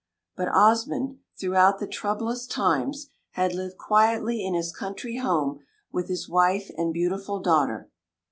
But Osmund, throughout the troublous times, had lived quietly in his country home with his wife and beautiful daughter.